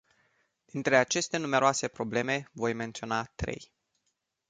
Dintre aceste numeroase probleme voi menționa trei.